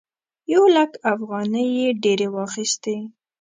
یو لک افغانۍ یې ډېرې واخيستې.